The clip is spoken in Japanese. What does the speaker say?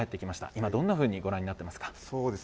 今、どんなふうにご覧になってますか。